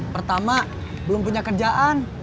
pertama belum punya kerjaan